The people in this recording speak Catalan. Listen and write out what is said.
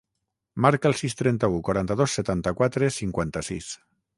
Marca el sis, trenta-u, quaranta-dos, setanta-quatre, cinquanta-sis.